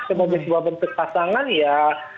sebagai sebuah bentuk pasangan ya